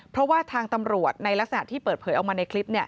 เพราะว่าทางตำรวจในลักษณะที่เปิดเผยออกมาในคลิป